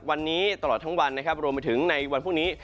วันนี้ตลอดทั้งวันนะครับรวมไปถึงในวันพรุ่งนี้